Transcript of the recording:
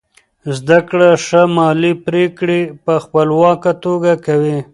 زده کړه ښځه مالي پریکړې په خپلواکه توګه کوي.